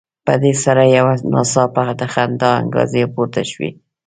په دې سره یو ناڅاپه د خندا انګازې پورته شوې.